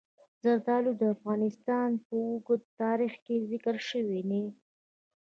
زردالو د افغانستان په اوږده تاریخ کې ذکر شوی دی.